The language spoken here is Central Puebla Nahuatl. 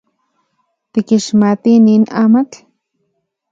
¿Tikixmati nin amatl?